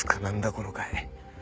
この会。